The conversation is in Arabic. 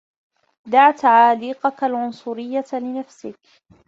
دع تعاليقك العنصريّة لنفسك.